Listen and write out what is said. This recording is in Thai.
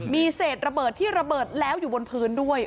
มีเศษระเบิดที่ระเบิดแล้วอยู่บนพื้นด้วย